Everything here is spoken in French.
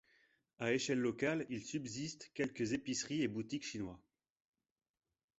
À l'échelle locale, il subsiste quelques épiceries et boutiques chinois.